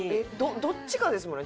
どっちかですもんね。